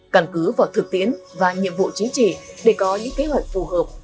cảnh cứ vào thực tiến và nhiệm vụ chính trị để có những kế hoạch phù hợp